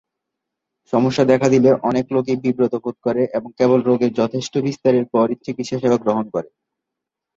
সমস্যা দেখা দিলে অনেক লোকই বিব্রত বোধ করে এবং কেবল রোগের যথেষ্ট বিস্তারের পরই চিকিৎসা সেবা গ্রহণ করে।